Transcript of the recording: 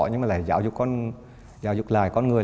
nhưng mà giáo dục lại con người